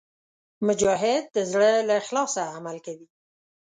مجاهد د زړه له اخلاصه عمل کوي.